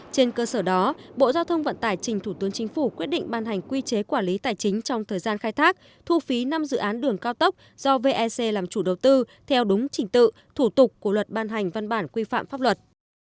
trên cơ sở đó bộ giao thông vận tải trình thủ tướng chính phủ quyết định ban hành quy chế quản lý tài chính trong thời gian khai thác thu phí năm dự án đường cao tốc do vec làm chủ đầu tư theo đúng trình tự thủ tục của luật ban hành văn bản quy phạm pháp luật